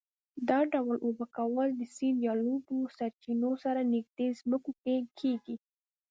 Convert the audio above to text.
دا ډول اوبه کول د سیند یا لویو سرچینو سره نږدې ځمکو کې کېږي.